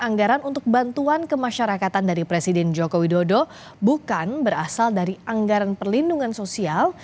anggaran untuk bantuan kemasyarakatan dari presiden joko widodo bukan berasal dari anggaran perlindungan sosial